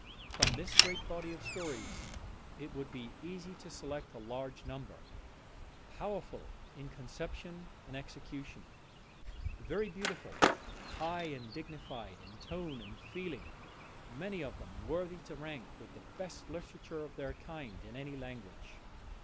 From this great body of stories it would be easy to select a large number, powerful in conception and execution, very beautiful, high and dignified in tone and feeling, many of them worthy to rank with the best literature of their kind in any language.